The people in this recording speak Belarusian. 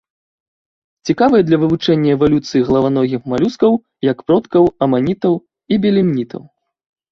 Цікавыя для вывучэння эвалюцыі галаваногіх малюскаў як продкаў аманітаў і белемнітаў.